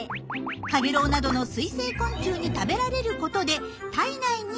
カゲロウなどの水生昆虫に食べられることで体内に潜みます。